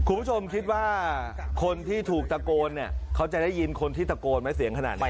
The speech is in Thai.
คุณผู้ชมคิดว่าคนที่ถูกตะโกนเนี่ยเขาจะได้ยินคนที่ตะโกนไหมเสียงขนาดนี้